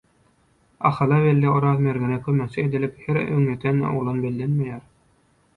Ahala belli Oraz mergene kömekçi edilip her öňýeten oglan bellenmeýär.